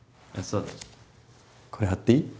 そうだこれ貼っていい？